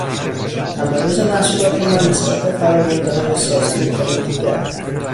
تمایز محصولات ما نسبت به فرآوردههای سازندگان دیگر